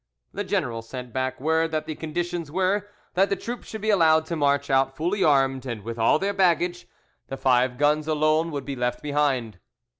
The general sent back word that the conditions were, that the troops should be allowed to march out fully armed and with all their baggage; the five guns alone would be left behind.